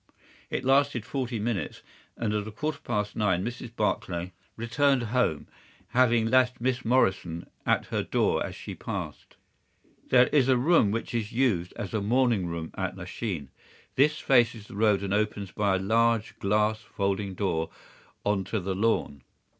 It lasted forty minutes, and at a quarter past nine Mrs. Barclay returned home, having left Miss Morrison at her door as she passed. "There is a room which is used as a morning room at Lachine. This faces the road and opens by a large glass folding door on to the lawn.